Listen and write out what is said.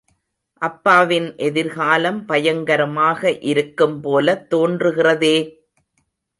அப்பாவின் எதிர்காலம் பயங்கரமாக இருக்கும் போலத் தோன்றுகிறதே!...